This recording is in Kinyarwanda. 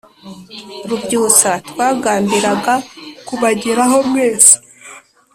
rubyutsa twagambiraga kubageraho mwese